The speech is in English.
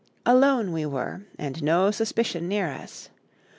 Alone we were, and no Suspicion near us.